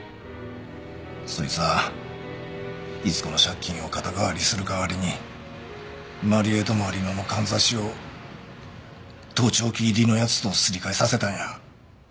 そいつは伊津子の借金を肩代わりする代わりにまり枝とまり乃の簪を盗聴器入りのやつとすり替えさせたんや。